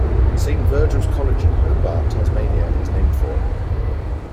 Saint Virgil's College in Hobart, Tasmania is named for him.